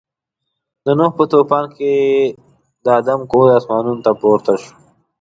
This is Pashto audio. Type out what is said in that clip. د نوح په طوفان کې د آدم کور اسمانو ته پورته شو.